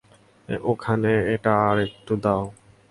ওখানে এটা আরেকটু দাও।